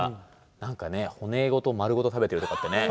なんかね骨ごと丸ごと食べてるとかってね